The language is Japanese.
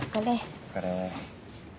お疲れ。